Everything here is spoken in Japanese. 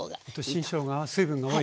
新しょうがは水分が多い。